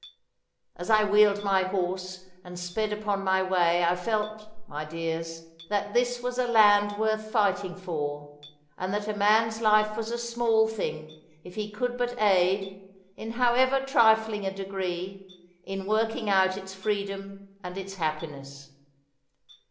As I wheeled my horse and sped upon my way I felt, my dears, that this was a land worth fighting for, and that a man's life was a small thing if he could but aid, in however trifling a degree, in working out its freedom and its happiness.